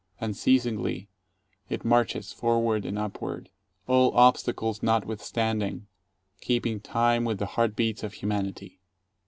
Unceasingly it marches, forward and upward, all obstacles notwithstanding, keeping time with the heart beats of Humanity.